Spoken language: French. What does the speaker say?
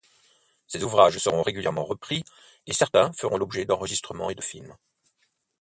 Ces ouvrages seront régulièrement repris et certains feront l’objet d’enregistrements et de films.